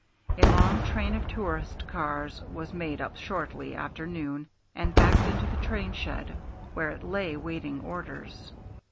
A long train of tourist cars was made up shortly after noon and backed into the train shed, where it lay awaiting orders.